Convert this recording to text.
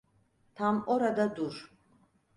Tam orada dur.